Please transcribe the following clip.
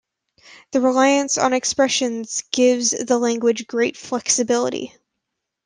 The reliance on expressions gives the language great flexibility.